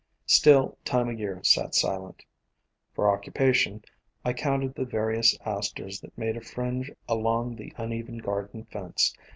Still Time o' Year sat silent. For occupation I counted the various Asters that made a fringe along the uneven garden fence.